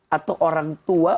atau orang tua